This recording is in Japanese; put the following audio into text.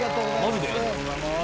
「ありがとうございます」